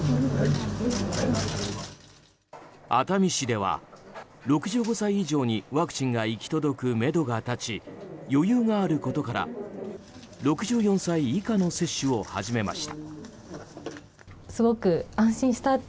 熱海市では、６５歳以上にワクチンが行き届くめどが立ち余裕があることから６４歳以下の接種を始めました。